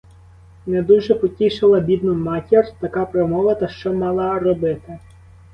Не дуже потішила бідну матір така промова, та що мала робити!